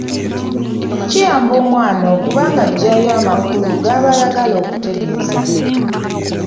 Kiyamba omwana okuba ng’aggyayo amakulu g’aba ayagala okutegeeza.